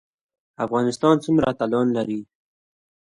افغانستان څومره اتلان لري؟